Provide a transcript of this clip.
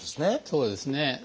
そうですね。